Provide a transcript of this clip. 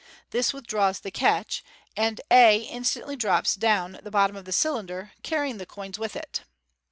This withdraws the catch, and a instantly drops down to the bottom of the cylinder, carrying the coins with it.